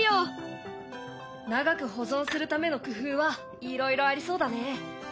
長く保存するための工夫はいろいろありそうだね。